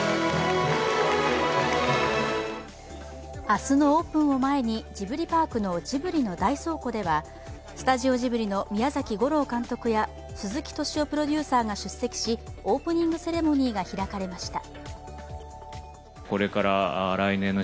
明日のオープンを前にジブリパークのジブリの大倉庫ではスタジオジブリの宮崎吾朗監督や鈴木敏夫プロデューサーが出席しオープニングセレモニーが開かれました。